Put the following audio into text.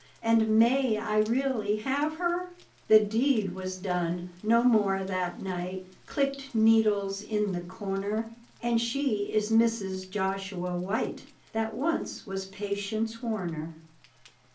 And may I really have her?" The deed was done; no more, that night, Clicked needles in the corner: And she is Mrs. Joshua White That once was Patience Warner.